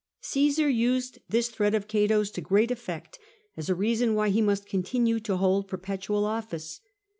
Caesar used this threat of Cato's to great effect as a reason why he must continue to hold perpetual office.